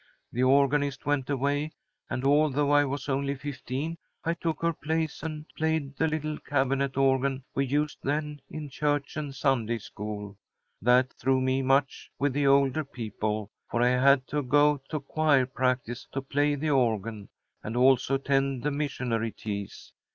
The organist went away, and, although I was only fifteen, I took her place and played the little cabinet organ we used then in church and Sunday school. That threw me much with the older people, for I had to go to choir practice to play the organ, and also attend the missionary teas.